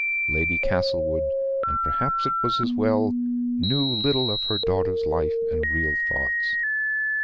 Lady Castlewood, and perhaps it was as well, knew little of her daughter's life and real thoughts.